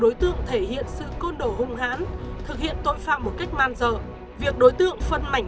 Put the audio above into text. đối tượng thể hiện sự côn đồ hung hãn thực hiện tội phạm một cách man dợ việc đối tượng phân mảnh